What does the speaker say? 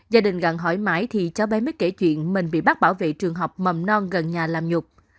gia đình gần hỏi mãi thì cháu bé mới kể chuyện mình bị bác bảo vệ trường học mầm non gần nhà làm nhục